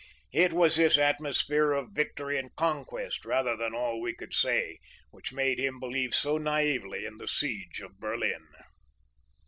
it was this atmosphere of victory and conquest, rather than all we could say, which made him believe so naïvely in the siege of Berlin.